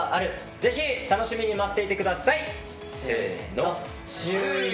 ぜひ楽しみに待っていてください。